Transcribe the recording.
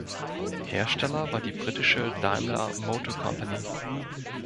Hersteller war die britische Daimler Motor Company.